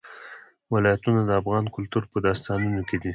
ولایتونه د افغان کلتور په داستانونو کې دي.